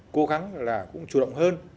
cố gắng là cũng chủ động hơn